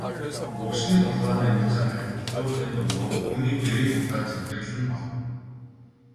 Өвсний толгой намилзан халиурахын дундуур түүний гэрийн утаа цэнхэрлэн холдоно.